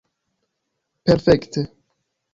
Perfekte.